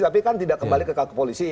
tapi kan tidak kembali ke polisi